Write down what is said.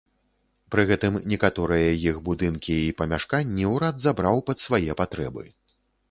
Пры гэтым, некаторыя іх будынкі і памяшканні ўрад забраў пад свае патрэбы.